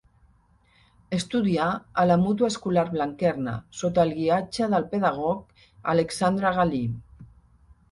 Estudià a la Mútua Escolar Blanquerna, sota el guiatge del pedagog Alexandre Galí.